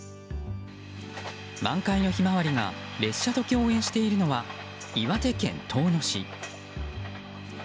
満開のひまわりが列車と共演しているのは岩手県遠野市。